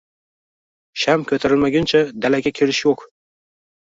Sham koʻtarilmaguncha dalaga kirish yoʻq.